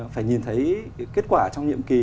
phải nhìn thấy kết quả trong nhiệm kỳ